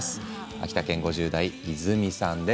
秋田県５０代の方からです。